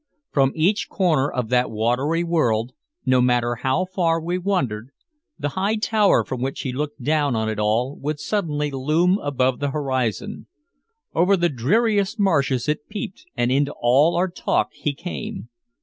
From each corner of that watery world, no matter how far we wandered, the high tower from which he looked down on it all would suddenly loom above the horizon. Over the dreariest marshes it peeped and into all our talk he came.